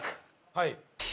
はい。